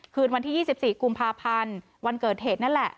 คืนวันที่๒๔กุมภาพันธ์วันเกิดเหตุนั่นแหละ